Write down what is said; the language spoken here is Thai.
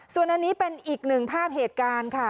ส่วนอันนี้เป็นอีกหนึ่งภาพเหตุการณ์ค่ะ